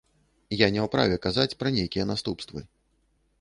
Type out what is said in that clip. Я не ў праве казаць пра нейкія наступствы.